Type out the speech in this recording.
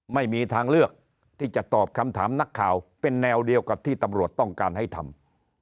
ไม่มีทางเลือกที่จะตอบคำถามนักข่าวเป็นแนวเดียวกับที่ตำรวจต้องการให้ทำ